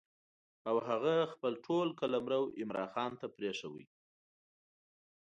او هغه خپل ټول قلمرو عمرا خان ته پرېښود.